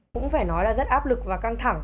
cũng phải nói là rất áp lực và căng thẳng